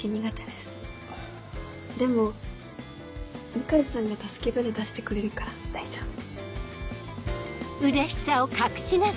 向井さんが助け船出してくれるから大丈夫。